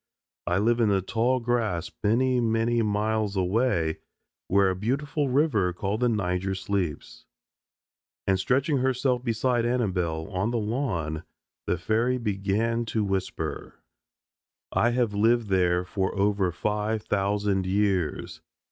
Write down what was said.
I live in the tall grass many, many miles away, where a beautiful river called the Niger sleeps." And stretching herself beside Annabelle, on the lawn, the fairy began to whisper: [Illustration: The Black Fairy] "I have lived there for over five thousand years.